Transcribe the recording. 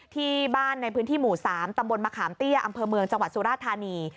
ที่บ้านในพื้นที่หมู่๓ตำบลมะขามเตี้ยอำเภอเมืองจังหวัดสุราธานี